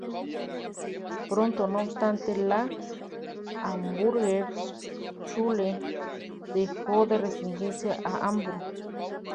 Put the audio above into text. Pronto, no obstante, la "Hamburger Schule" dejó de restringirse a Hamburg.